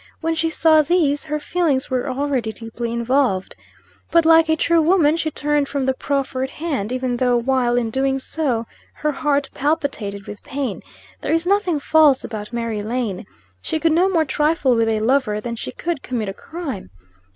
When she saw these, her feelings were already deeply involved. But, like a true woman, she turned from the proffered hand, even though, while in doing so, her heart palpitated with pain. There is nothing false about Mary Lane. She could no more trifle with a lover than she could commit a crime.